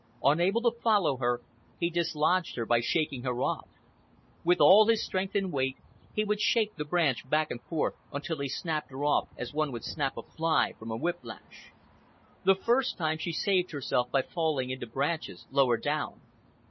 Unable to follow her, he dislodged her by shaking her off. With all his strength and weight, he would shake the branch back and forth until he snapped her off as one would snap a fly from a whip lash. The first time, she saved herself by falling into branches lower down.